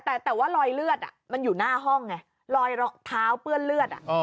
แต่ว่ารอยเลือดมันอยู่หน้าห้องไงรอยเท้าเปื้อนเลือด